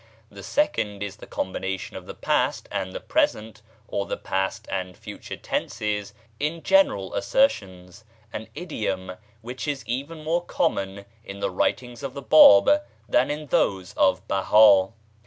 The second is the combination of the past and the present or the past and future tenses in general assertions (an idiom which is even more common in the writings of the Báb than in those of Behá).